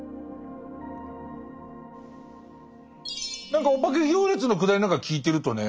何かお化け行列のくだりなんか聞いてるとね